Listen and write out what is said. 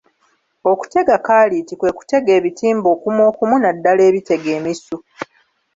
Okutega kaliiti kwe kutega ebitimba okumukumu naddala ebitega emisu.